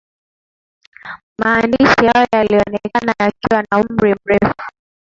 Maandishi hayo yalionekana yakiwa na umri mrefu